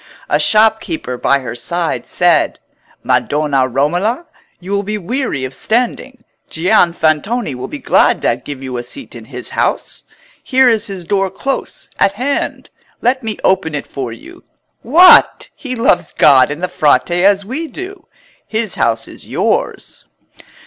A shopkeeper by her side said— "Madonna Romola, you will be weary of standing: Gian Fantoni will be glad to give you a seat in his house. Here is his door close at hand. Let me open it for you. What! he loves God and the Frate as we do. His house is yours."